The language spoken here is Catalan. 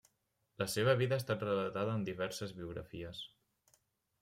La seva vida ha estat relatada en diverses biografies.